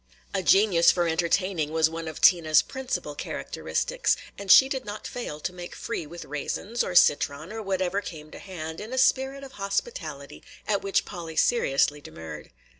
A genius for entertaining was one of Tina's principal characteristics; and she did not fail to make free with raisins, or citron, or whatever came to hand, in a spirit of hospitality at which Polly seriously demurred.